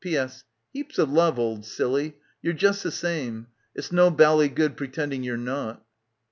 P'S. — Heaps of love, old silly. You're just the same. It's no bally good pretending you're not."